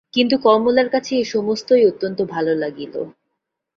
কিন্তু কমলার কাছে এ-সমস্তই অত্যন্ত ভালো লাগিল।